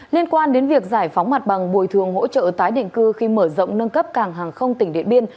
liên quan đến việc giải phóng mặt bằng bồi thường hỗ trợ tái định cư khi mở rộng nâng cấp cảng hàng không tỉnh điện biên